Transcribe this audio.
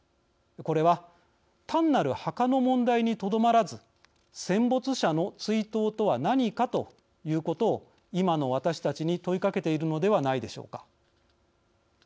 これは単なる墓の問題にとどまらず「戦没者の追悼とは何か」ということを今の私たちに問いかけているのではないでしょうか。